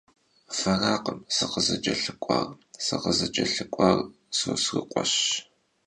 Ferakhım sıkhızıç'elhık'uar, sıkhızıç'elhık'uar Sosrıkhueş.